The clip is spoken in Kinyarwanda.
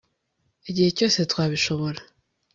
igihe cyose twabishobora